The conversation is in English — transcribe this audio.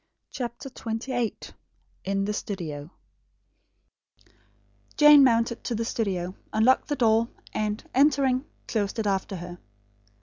CHAPTER XXVIII IN THE STUDIO Jane mounted to the studio; unlocked the door, and, entering, closed it after her.